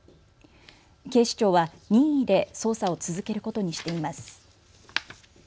警視庁は任意で捜査を続けることにしています。